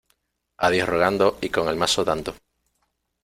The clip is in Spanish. A Dios rogando y con el mazo dando.